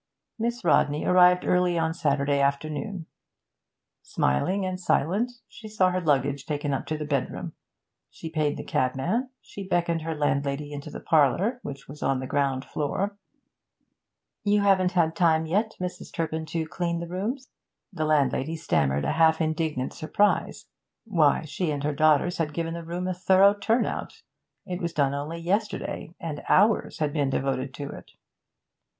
Miss Rodney arrived early on Saturday afternoon. Smiling and silent, she saw her luggage taken up to the bedroom; she paid the cabman; she beckoned her landlady into the parlour, which was on the ground floor front. 'You haven't had time yet, Mrs. Turpin, to clean the rooms?' The landlady stammered a half indignant surprise. Why, she and her daughters had given the room a thorough turn out. It was done only yesterday, and hours had been devoted to it.